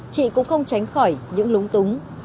chị cũng không tránh khỏi những lúng túng